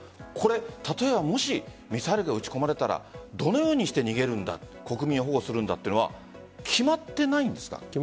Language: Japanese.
例えばもしミサイルが撃ち込まれたらどのようにして逃げるんだ国民を保護するのかというのは決まっていないんですか？